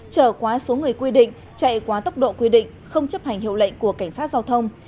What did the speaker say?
trở quá số người quy định chạy quá tốc độ quy định không chấp hành hiệu lệnh của cảnh sát giao thông